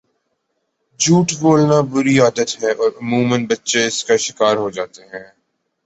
جھوٹ بولنا بُری عادت ہے اور عموماً بچے اس کا شکار ہوجاتے ہیں